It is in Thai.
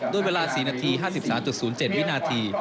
ด้วยเวลา๔นาที๕๓๐๗วินาที